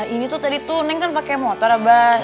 ini tuh tadi tuh neng kan pakai motor abah